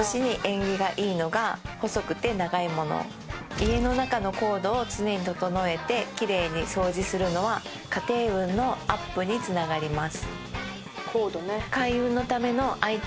家の中のコードを常に整えて奇麗に掃除するのは家庭運のアップにつながります。